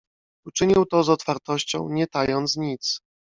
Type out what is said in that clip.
"Uczynił to z otwartością, nie tając nic..."